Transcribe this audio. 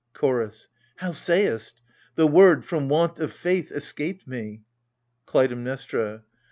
CHOROS. How sayest ? The word, from want of faith, escaped me. KLUTAIMNESTRA.